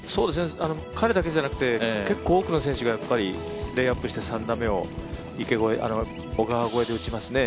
彼だけじゃなくて結構多くの選手がレイアップして３打目を池越え、小川越えで打ちますね。